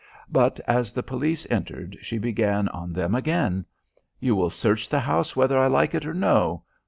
But as the police entered she began on them again. "You will search the house whether I like it or no.